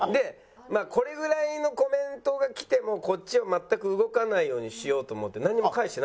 これぐらいのコメントが来てもこっちは全く動かないようにしようと思っておお！